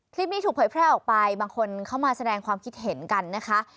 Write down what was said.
คลิปนี้ถูกเผยแพร่ออกไปบางคนเข้ามาแสดงความคิดเห็นกันนะคะ